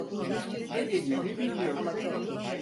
Ne dediğini bilmiyor.